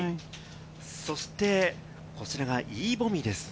そしてこちらがイ・ボミです。